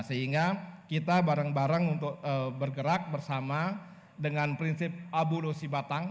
sehingga kita bareng bareng untuk bergerak bersama dengan prinsip abu lusi batang